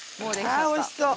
あおいしそう。